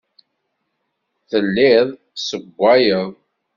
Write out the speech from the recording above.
Telliḍ tessewwayeḍ.